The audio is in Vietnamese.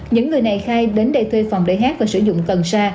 những người này khai đến đây thuê phòng để hát và sử dụng cần sa